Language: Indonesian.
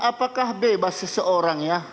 apakah bebas seseorang ya